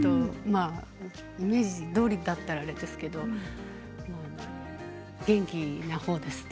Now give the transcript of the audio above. イメージどおりだったらあれですけれど元気なほうですね